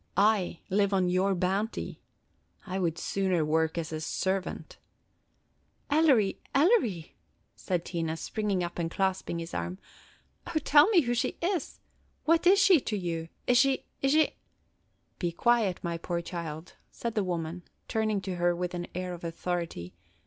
I live on your bounty! I would sooner work as a servant!" "Ellery, Ellery!" said Tina, springing up and clasping his arm, "O, tell me who she is! What is she to you? Is she – is she –" "Be quiet, my poor child," said the woman, turning to her with an air of authority.